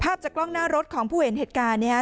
จากกล้องหน้ารถของผู้เห็นเหตุการณ์เนี่ย